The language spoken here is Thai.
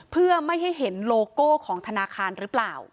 เพื่อไม่ให้เห็นโลโก้ของธนาคารหรือเปล่า